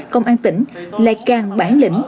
công an tỉnh lại càng bản lĩnh